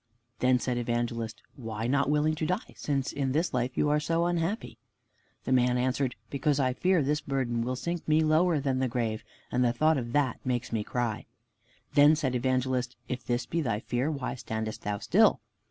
Then said Evangelist, "Why not willing to die, since in this life you are so unhappy?" The man answered, "Because I fear this burden will sink me lower than the grave, and the thought of that makes me cry." Then said Evangelist, "If this be thy fear, why standest thou still?"